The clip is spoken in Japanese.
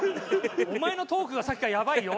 お前のトークがさっきからやばいよ。